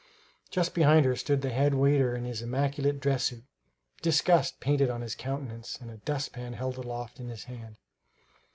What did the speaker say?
Just behind her stood the head waiter in his immaculate dress suit, disgust painted on his countenance and a dustpan held aloft in his hand.